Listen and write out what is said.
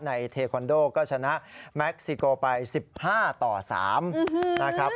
เทคอนโดก็ชนะแม็กซิโกไป๑๕ต่อ๓นะครับ